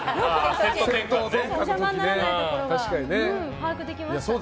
お邪魔にならないところは把握できましたね。